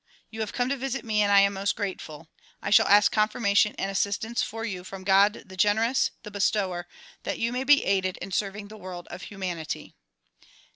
You have come to visit me and I am most grateful. I shall ask confirmation and assistance for you from God the generous, the bestower, that you may be aided in serving the world of humanity.